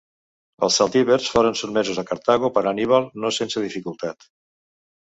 Els celtibers foren sotmesos a Cartago per Anníbal no sense dificultat.